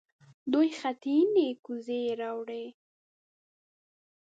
دوې خټينې کوزې يې راوړې.